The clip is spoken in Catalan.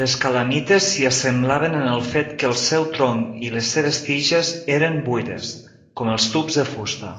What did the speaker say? Les calamites s'hi assemblaven en el fet que el seu tronc i les seves tiges eren buides, com els tubs de fusta.